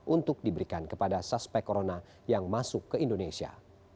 untuk diberikan kepada suspek corona yang masuk ke indonesia